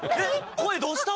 声どうした？